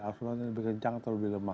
arus laut yang lebih kencang atau lebih lemah